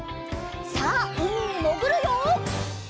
さあうみにもぐるよ！